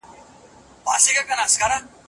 د پاچا د مړینې خبر ټول ښار ته خپور شو.